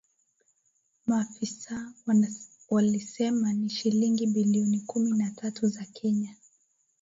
Maafisa walisema ni shilingi bilioni kumi na tatu za Kenya